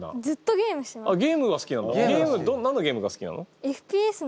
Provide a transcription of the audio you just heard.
ゲーム何のゲームが好きなの？